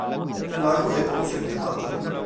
Il lago è poco frequentato.